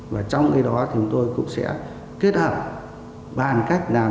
và trong cái đó thì tôi cũng sẽ kết hợp bàn cách làm thế nào